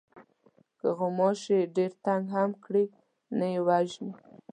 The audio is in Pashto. که غوماشی ډېر تنگ هم کړي نه یې وژنې.